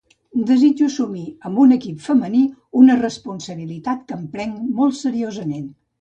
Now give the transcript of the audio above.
Desitjo d’assumir, amb un equip femení, una responsabilitat que em prenc molt seriosament.